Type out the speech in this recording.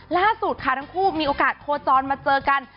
ล่าสุดค่ะทั้งคู่มีโอกาสโคจรมาเจอกัน